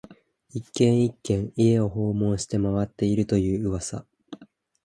一軒、一軒、家を訪問して回っていると言う噂